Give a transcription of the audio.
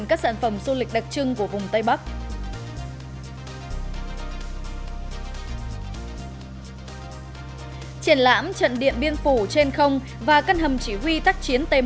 các bạn hãy đăng ký kênh để ủng hộ kênh của chúng mình nhé